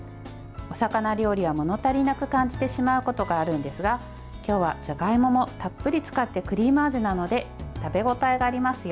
お魚料理は物足りなく感じてしまうことがあるんですが今日はじゃがいももたっぷり使ってクリーム味なので食べ応えがありますよ。